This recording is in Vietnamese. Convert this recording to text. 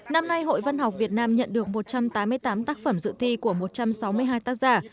năm nay hội văn học việt nam nhận được một trăm tám mươi tám tác phẩm dự thi của một trăm sáu mươi hai tác giả